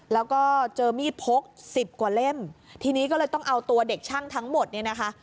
แล้วก็เจอมีดพกสิบกว่าเล่มทีนี้ก็เลยต้องเอาตัวเด็กช่างทั้งหมดเนี่ยนะคะ